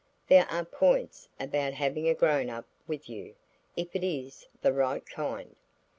There are points about having a grown up with you, if it is the right kind.